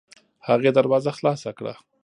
هغې دروازه خلاصه کړه.